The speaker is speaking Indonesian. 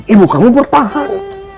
ibu kamu berpahan